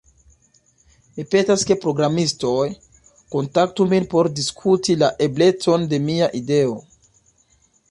Mi petas ke programistoj kontaktu min por diskuti la eblecon de mia ideo.